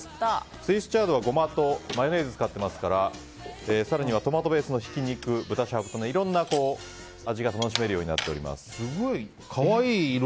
スイスチャードはゴマとマヨネーズを使ってますから更にトマトベースのひき肉豚しゃぶと、いろんな味が楽しめるようになっています。